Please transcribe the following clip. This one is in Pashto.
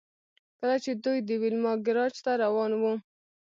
کله چې دوی د ویلما ګراج ته روان وو